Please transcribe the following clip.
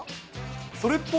それっぽい。